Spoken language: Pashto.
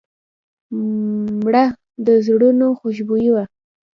مړه د زړونو خوشبويي وه